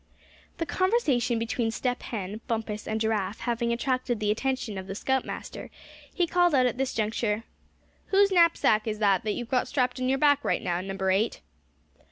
The conversation between Step Hen, Bumpus and Giraffe having attracted the attention of the scoutmaster, he called out at this juncture: "Whose knapsack is that you've got strapped on your back right now, Number Eight?"